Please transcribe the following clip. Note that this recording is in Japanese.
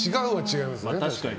確かにね。